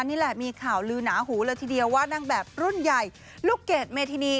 นี่แหละมีข่าวลือหนาหูเลยทีเดียวว่านางแบบรุ่นใหญ่ลูกเกดเมธินี